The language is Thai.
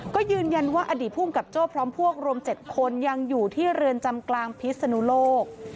ก็ยืนยันว่าอดีตภูมิกับโจ้พร้อมพวกรวม๗คนยังอยู่ที่เรือนจำกลางพิศนุโลก